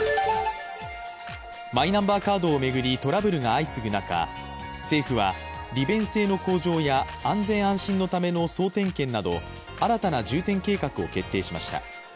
マイナンバーカードを巡りトラブルが相次ぐ中、政府は利便性の向上や安心・安全のための総点検など新たな重点計画を決定しました。